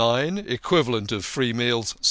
Equivalent of Free Meals ....